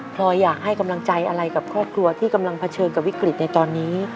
พลอยอยากให้กำลังใจอะไรกับครอบครัวที่กำลังเผชิญกับวิกฤตในตอนนี้